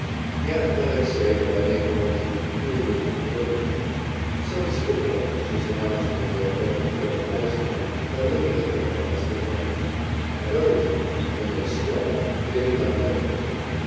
The Athletics say that I make a motion peculiar to the fade away. Some spit ball pitchers announce when they are going to throw a moist one by looking at the ball as they dampen it. At other times, when they "stall," they do not look at the ball.